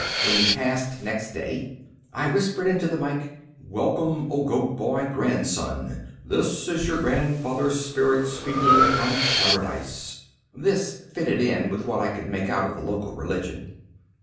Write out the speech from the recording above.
When he passed next day, I whispered into the mike: "Welcome, O Goat boy Grandson! This is your grandfather's spirit speaking from paradise." This fitted in with what I could make out of the local religion.